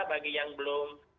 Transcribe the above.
bagi yang belum